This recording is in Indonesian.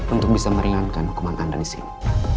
untuk bisa meringankan hukuman anda di sini